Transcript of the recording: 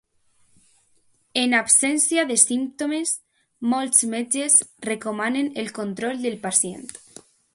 En absència de símptomes, molts metges recomanen el control del pacient.